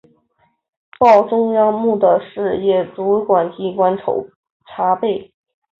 报中央目的事业主管机关备查